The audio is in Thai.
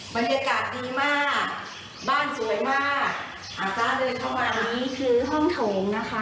บรรยากาศดีมากบ้านสวยมากหาฟ้าเดินเข้ามานี้คือห้องโถงนะคะ